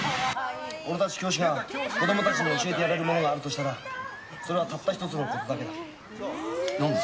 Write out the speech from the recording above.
俺たち教師が子供たちに教えられるものがあるとしたらそれはたった１つのことだけだ。